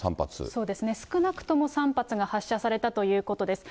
そうですね、少なくとも３発が発射されたということです。